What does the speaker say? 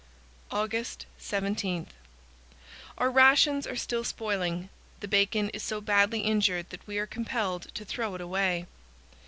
August 17. Our rations are still spoiling; the bacon is so badly injured that we are compelled to throw it away.